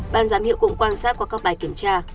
ban giám hiệu cũng quan sát qua các bài kiểm tra